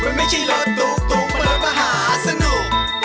มันไม่ใช่ลดประหาสนุก